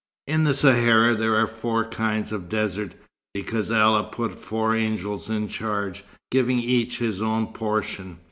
"In the Sahara, there are four kinds of desert, because Allah put four angels in charge, giving each his own portion.